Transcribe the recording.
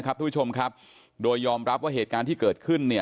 ทุกผู้ชมครับโดยยอมรับว่าเหตุการณ์ที่เกิดขึ้นเนี่ย